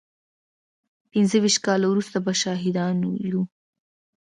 پينځه ويشت کاله وروسته به شاهدان يو.